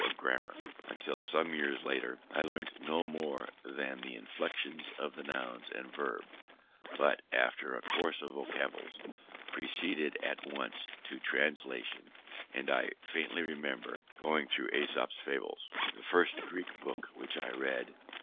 Of grammar, until some years later, I learnt no more than the inflections of the nouns and verbs, but, after a course of vocables, proceeded at once to translation; and I faintly remember going through Aesop's Fables, the first Greek book which I read.